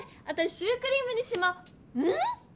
わたしシュークリームにしまん⁉